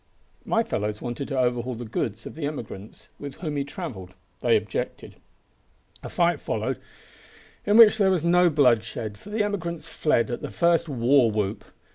My fellows wanted to overhaul the goods of the emigrants with whom he travelled. They objected. A fight followed in which there was no bloodshed, for the emigrants fled at the first war whoop.